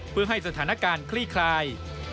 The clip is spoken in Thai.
เพื่อให้สถานการณ์คลี่คลาย